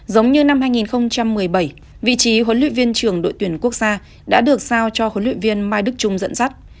giống như năm hai nghìn một mươi bảy vị trí huấn luyện viên trưởng đội tuyển quốc gia đã được sao cho huấn luyện viên mai đức trung dẫn dắt